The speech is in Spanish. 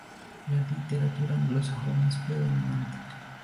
La literatura anglosajona es predominante.